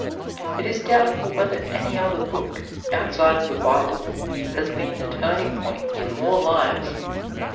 It is doubtful whether any other book, outside of the Bible, has been the turning point in more lives.